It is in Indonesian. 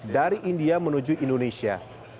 dari india menuju indonesia